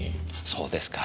そうですか。